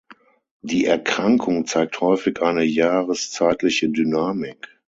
Die Erkrankung zeigt häufig eine jahreszeitliche Dynamik.